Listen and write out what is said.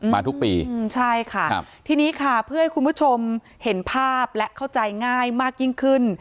มาทุกปีใช่ค่ะทีนี้ค่ะเพื่อให้คุณผู้ชมเห็นภาพและเข้าใจง่ายมากยิ่งขึ้น